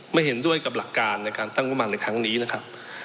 เห็นด้วยกับหลักการในการตั้งงบประมาณในครั้งนี้นะครับ